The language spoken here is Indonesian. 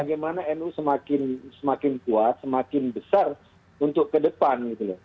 di mana nu semakin kuat semakin besar untuk ke depan gitu loh